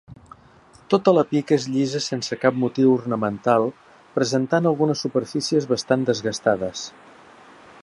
Tota la pica és llisa sense cap motiu ornamental presentant algunes superfícies bastant desgastades.